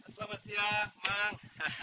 selamat siang mang